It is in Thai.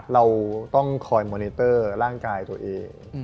เราต้องคอยมอนิเตอร์ร่างกายตัวเอง